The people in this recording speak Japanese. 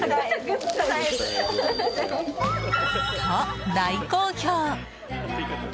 と、大好評。